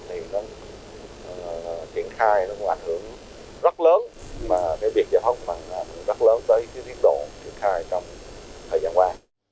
thì triển khai nó cũng ảnh hưởng rất lớn mà cái việc giải phóng mặt bằng cũng rất lớn tới tiến độ triển khai trong thời gian qua